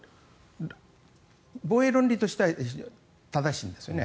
防衛論理としては正しいんですよね。